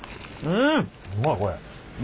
うまいこれ。